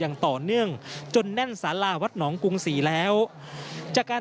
อย่างต่อเนื่องจนแน่นสาราวัดหนองกรุงศรีแล้วจากการ